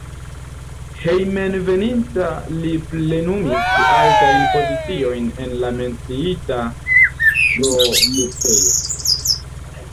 Hejmenveninta li plenumis altajn poziciojn en la menciita produktejo.